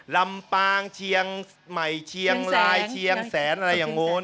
ลำปางเชียงใหม่เชียงรายเชียงแสนอะไรอย่างนู้น